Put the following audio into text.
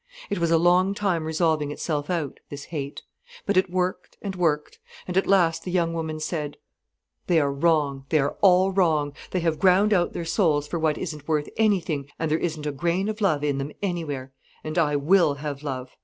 It was a long time resolving itself out, this hate. But it worked and worked, and at last the young woman said: "They are wrong—they are all wrong. They have ground out their souls for what isn't worth anything, and there isn't a grain of love in them anywhere. And I will have love.